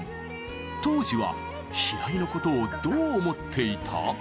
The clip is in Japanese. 当時は平井のことをどう思っていた？